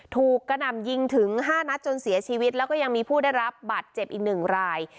ถูกกระหน่ำยิงถึง๕นัดจนเสียชีวิตแล้วก็ยังมีผู้ได้รับบัตรเจ็บอีก๑ราย